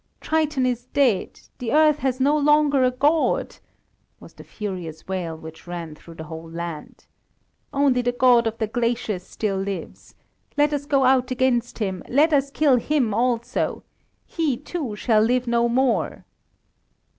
"Triton is dead! The earth has no longer a god!" was the furious wail which ran through the whole land. "Only the God of the Glaciers still lives. Let us go out against him! Let us kill him also! He, too, shall live no more!"